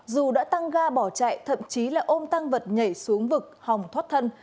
dù đã tăng ga bỏ chạy thậm chí là ôm tăng vật nhảy xuống vực hòng thoát thân